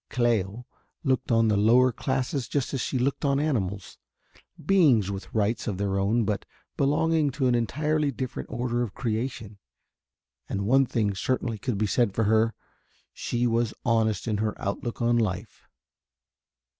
Cléo looked on the lower classes just as she looked on animals, beings with rights of their own but belonging to an entirely different order of creation, and one thing certainly could be said for her she was honest in her outlook on life.